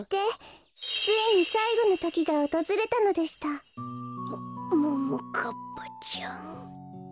ついにさいごのときがおとずれたのでしたもももかっぱちゃん。